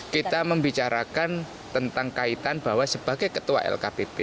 kita membicarakan tentang kaitan bahwa sebagai ketua lkpp